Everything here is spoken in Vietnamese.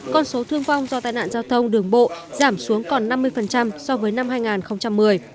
con số thương vong do tai nạn giao thông đường bộ giảm xuống còn năm mươi so với năm hai nghìn một mươi